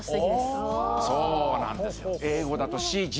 そうなんですよ。